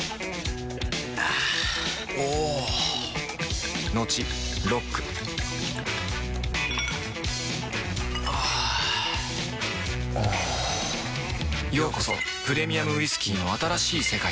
あぁおぉトクトクあぁおぉようこそプレミアムウイスキーの新しい世界へ